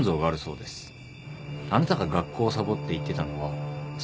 あなたが学校をサボって行ってたのはそこですか？